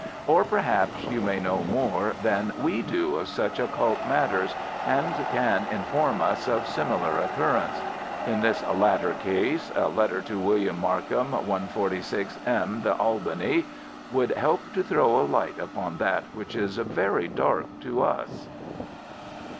Or perhaps you may know more than we do of such occult matters, and can inform us of some similar occurrence. In this latter case a letter to William Markham, 146M, The Albany, would help to throw a light upon that which is very dark to us.